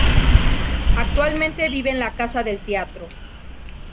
Actualmente vive en La Casa del Teatro.